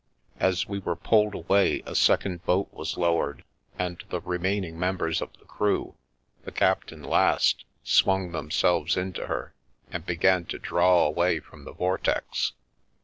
As we were pulled away a second boat was lowered, and the remaining members of the crew, the captain last, swung themselves into her, and began to draw away from the vortex.